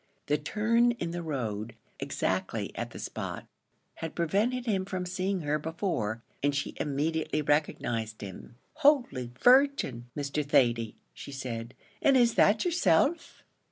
The turn in the road, exactly at the spot, had prevented him from seeing her before, and she immediately recognised him. "Holy Virgin! Mr. Thady," she said; "and is that yerself?"